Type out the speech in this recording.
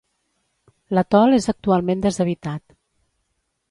L'atol és actualment deshabitat.